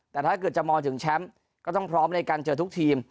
แต่ถ้าเกิดจะมองถึงแชมป์ก็ต้องพร้อมในการเจอทุกทีม